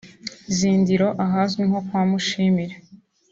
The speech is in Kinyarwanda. Zindiro (ahazwi nko kwa Mushimire)